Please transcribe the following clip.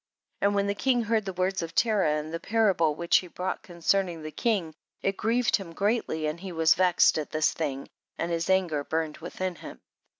27. And when the king heard the words of Terah, and the parable which he brought concerning the king, it grieved him greatly and he was vexed at this thing, and his anger burned within him.